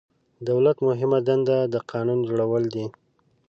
دولت مهمه دنده د قانون جوړول دي.